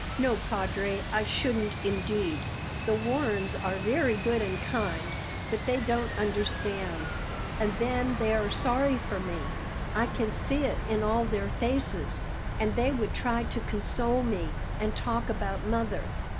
"No, Padre, I shouldn't indeed! The Warrens are very good and kind, but they don't understand; and then they are sorry for me, I can see it in all their faces, and they would try to console me, and talk about mother.